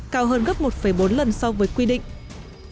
cao hơn gấp một bốn lần so với quy định